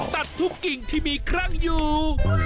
ตัดทุกกิ่งที่มีคลั่งอยู่